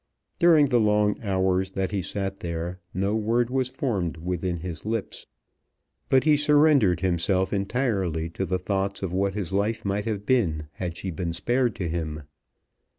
During the long hours that he sat there no word was formed within his lips, but he surrendered himself entirely to thoughts of what his life might have been had she been spared to him.